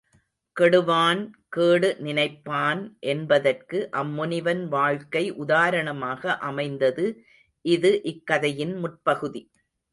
கெடுவான் கேடு நினைப்பான் என்பதற்கு அம்முனிவன் வாழ்க்கை உதாரணமாக அமைந்தது இது இக்கதையின் முற்பகுதி.